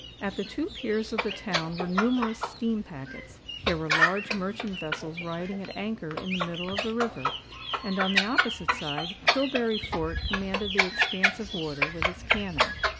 At the two piers of the town were numerous steam packets;—there were large merchant vessels riding at anchor in the middle of the river;—and, on the opposite side, Tilbury Fort commanded the expanse of water with its cannon.